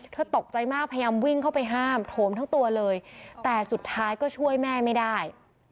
ตกใจมากพยายามวิ่งเข้าไปห้ามโถมทั้งตัวเลยแต่สุดท้ายก็ช่วยแม่ไม่ได้